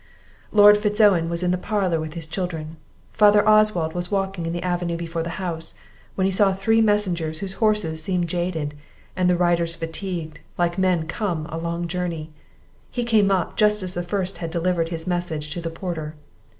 Lord Fitz Owen was in the parlour with his children; Father Oswald was walking in the avenue before the house, when he saw three messengers whose horses seemed jaded, and the riders fatigued, like men come a long journey. He came up, just as the first had delivered his message to the porter.